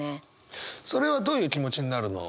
それはどういう気持ちになるの？